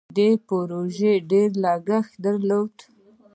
دې پروژې ډیر لګښت درلود.